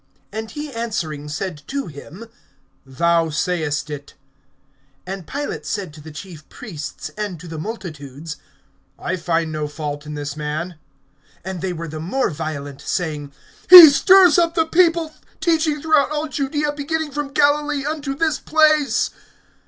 And he answering said to him: Thou sayest it. (4)And Pilate said to the chief priests and the multitudes: I find no fault in this man. (5)And they were the more violent, saying: He stirs up the people, teaching throughout all Judaea, beginning from Galilee, unto this place.